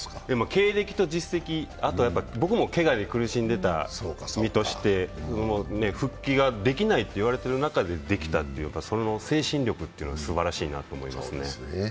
経歴と実績、あと僕もけがに苦しんでた身として復帰ができないっていわれている中でできたっていうその精神力というのはすばらしいと思いますね。